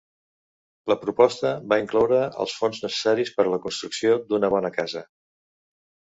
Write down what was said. La proposta va incloure els fons necessaris per a la construcció d'una bona casa.